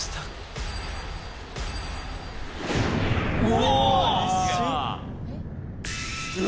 うわ！